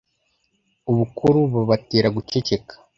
Ubukuru bubatera guceceka